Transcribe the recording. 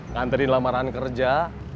ngantriin lamaran kerja